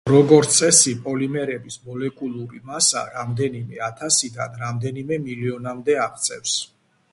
როგორც წესი, პოლიმერების მოლეკულური მასა რამდენიმე ათასიდან რამდენიმე მილიონამდე აღწევს.